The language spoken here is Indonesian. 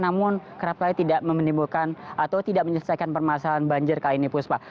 namun kerap kali tidak menimbulkan atau tidak menyelesaikan permasalahan banjir kali ini puspa